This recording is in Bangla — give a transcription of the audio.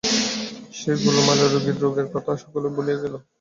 সে গোলমালে রোগীর রোগের কথা সকলেই ভুলিয়া গেল!